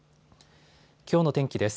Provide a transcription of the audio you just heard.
きょうの天気です。